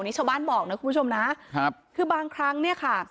นี่ชาวบ้านบอกนะคุณผู้ชมนะครับคือบางครั้งเนี่ยค่ะ